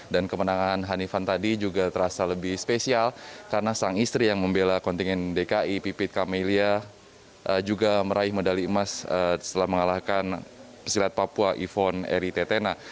dan kemenangan hanifan tadi juga terasa lebih spesial karena sang istri yang membela kontingen dki pipit kamelia juga meraih medali emas setelah mengalahkan pesilat papua yvonne eri tetena